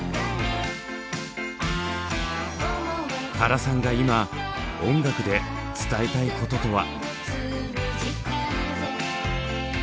原さんが今音楽で伝えたいこととは？